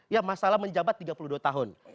ya masalah menjabat tiga puluh dua tahun